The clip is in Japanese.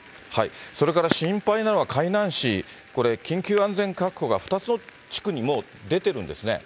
それから心配なのは、海南市、これ、緊急安全確保が２つの地区にもう出てるんですね。